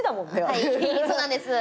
はいそうなんです。